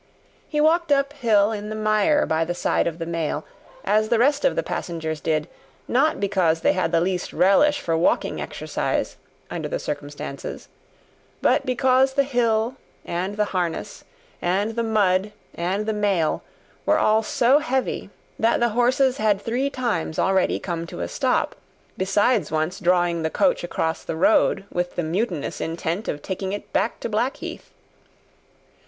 He walked up hill in the mire by the side of the mail, as the rest of the passengers did; not because they had the least relish for walking exercise, under the circumstances, but because the hill, and the harness, and the mud, and the mail, were all so heavy, that the horses had three times already come to a stop, besides once drawing the coach across the road, with the mutinous intent of taking it back to Blackheath.